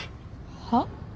はっ？